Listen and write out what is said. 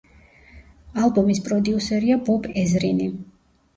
ალბომის პროდიუსერია ბობ ეზრინი.